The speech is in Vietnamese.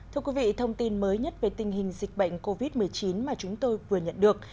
thưa quý vị thông tin mới nhất về tình hình dịch bệnh covid một mươi chín mà chúng tôi vừa nhận được